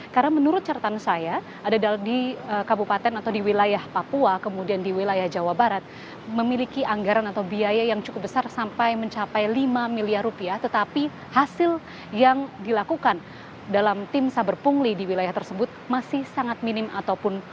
karena menurut catatan saya ada di kabupaten atau di wilayah papua kemudian di wilayah jawa barat memiliki anggaran atau biaya yang cukup besar sampai mencapai lima miliar rupiah tetapi hasil yang dilakukan dalam tim saber pungli di wilayah tersebut masih sangat minim ataupun